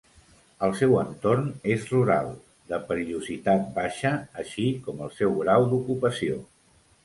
El seu entorn és rural, de perillositat baixa així com el seu grau d'ocupació.